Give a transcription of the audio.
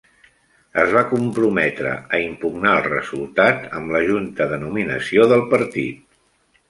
Es va comprometre a impugnar el resultat amb la junta de nominació del partit.